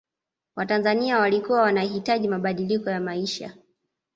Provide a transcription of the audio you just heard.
watanzania walikuwa wanahitaji mabadiliko ya maisha